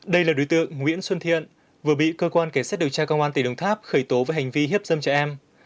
đây là đối tượng nguyễn xuân thiện vừa bị cơ quan kẻ xét điều tra công an tỉnh đồng tháp khởi tố với hành vi hiếp dâm trẻ em